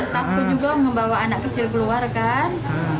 takut juga membawa anak kecil keluar kan